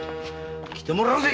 来てもらうぜ！